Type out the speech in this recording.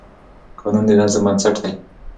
قانون د نظم بنسټ دی.